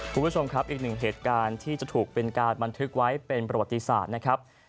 คุณผู้ชมครับอีกหนึ่งเหตุการณ์ที่จะถูกเป็นการบันทึกไว้เป็นประวัติศาสตร์นะครับ